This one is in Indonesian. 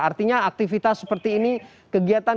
artinya aktivitas seperti ini kegiatan kegiatan